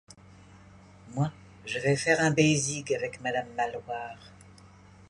Moi, je vais faire un bézigue avec madame Maloir.